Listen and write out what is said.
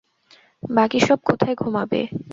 বাকি সব কোথায় ঘুমাবে?